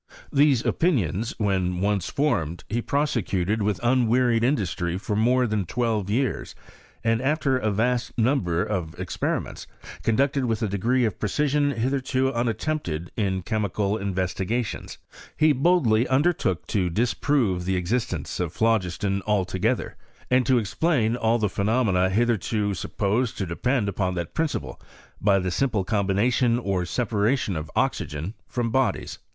These opinions when once formed he prosecuted with un wearied industry for more than twelve years, and after a vast number of experiments, conducted with a degree of precision hitherto unattempted in chemi cal investigations, be boldly imdertook to disprove the existence of phlogiston altogether, and to ex plain all the phenomena hitherto supposed to depend upon that principle by the simple combination or se paration of oxygen from bodies.